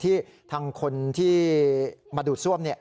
ที่ทางคนที่มาดูดซ่วม